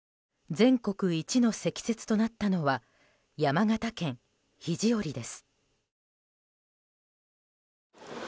全国一の積雪となったのは山形県肘折です。